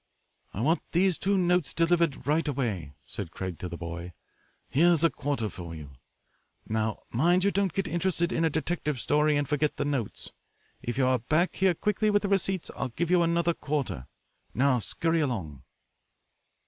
"I want these two notes delivered right away," said Craig to the boy; "here's a quarter for you. Now mind you don't get interested in a detective story and forget the notes. If you are back here quickly with the receipts I'll give you another quarter. Now scurry along."